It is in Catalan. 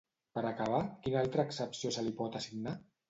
Per acabar, quina altra accepció se li pot assignar?